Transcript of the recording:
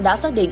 đã xác định